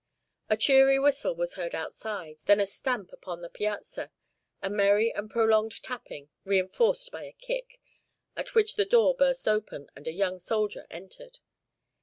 A cheery whistle was heard outside, then a stamp upon the piazza, a merry and prolonged tapping, reinforced by a kick, at which the door burst open, and a young soldier entered.